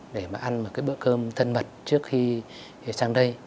để mà ăn một cái bữa cơm thân mật trước khi sang đây